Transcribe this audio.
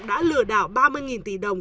đã lừa đảo ba mươi tỷ đồng